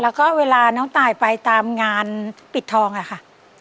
แล้วก็เวลาน้องตายไปตามงานปิดทองอะค่ะ